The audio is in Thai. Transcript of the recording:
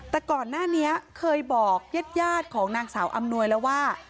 แต่ก่อนหน้านี้เคยบอกญาติของนางสาวอำนวยแล้วว่า